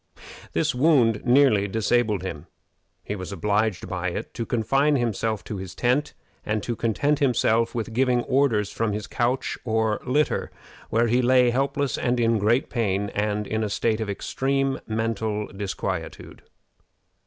This wound nearly disabled him. He was obliged by it to confine himself to his tent, and to content himself with giving orders from his couch or litter, where he lay helpless and in great pain, and in a state of extreme mental disquietude.